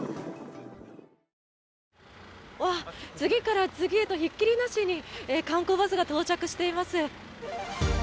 次から次へとひっきりなしに観光バスが到着しています。